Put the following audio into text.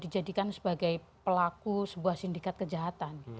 dijadikan sebagai pelaku sebuah sindikat kejahatan